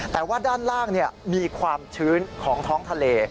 แต่ว่าด้านล่างมีความชื้นของท้องทะเล